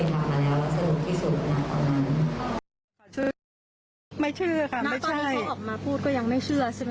ตอนนี้เขาออกมาพูดก็ยังไม่เชื่อใช่ไหมคะ